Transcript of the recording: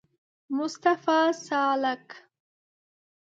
مصطفی سالک